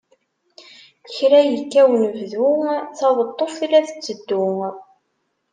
Kra yekka unebdu, taweṭṭuft la tetteddu.